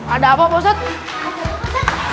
ada apa pak ustaz